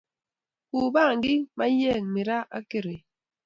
ku bangik, maywek, miraa ak keroin